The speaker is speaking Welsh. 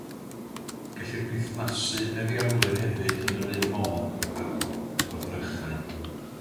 Gellir perthnasu meddianwyr hefyd yn yr un modd â goddrychau.